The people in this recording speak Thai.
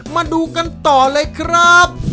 มาดูกันต่อเลยครับ